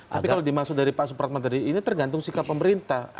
tapi kalau dimaksud dari pak supratman tadi ini tergantung sikap pemerintah